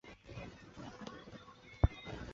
业主为内蒙古锡乌铁路有限责任公司。